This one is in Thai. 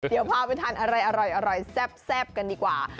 เดี๋ยวพาไปทานอะไรอร่อยแซ่บกันดีกว่า